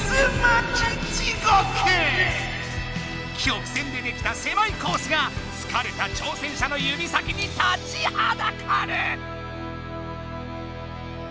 曲線でできたせまいコースがつかれた挑戦者の指先に立ちはだかる！